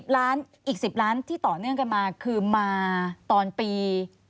อีก๑๐ล้านที่ต่อเนื่องกันมาคือมาตอนปี